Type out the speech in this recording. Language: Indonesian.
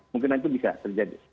mungkin nanti bisa terjadi